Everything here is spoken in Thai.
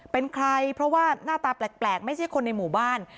เป็นใครเพราะว่าหน้าตาแปลกไม่ใช่คนในหมู่บ้าน